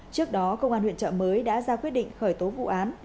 trước đó công an huyện trợ mới đã ra quyết định khởi tố vụ án